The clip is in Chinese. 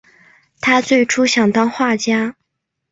他最初想当画家。